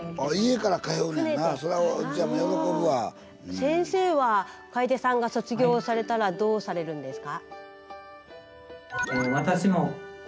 先生は楓さんが卒業されたらどうされるんですか？